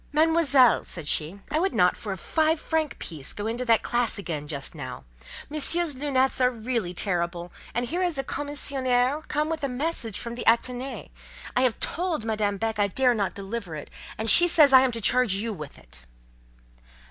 "Mademoiselle," said she, "I would not for a five franc piece go into that classe again just now: Monsieur's lunettes are really terrible; and here is a commissionaire come with a message from the Athénée. I have told Madame Beck I dare not deliver it, and she says I am to charge you with it."